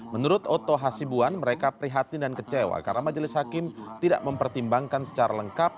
menurut oto hasibuan mereka prihatin dan kecewa karena majelis hakim tidak mempertimbangkan secara lengkap